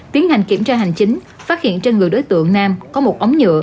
tiến hành kiểm tra hành chính phát hiện trên người đối tượng nam có một ống nhựa